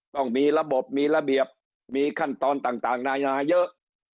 ต้องมีระบบมีระเบียบมีขั้นตอนต่างนานาเยอะ